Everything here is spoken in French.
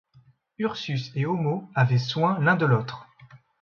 Ursus et Homo avaient soin l’un de l’autre.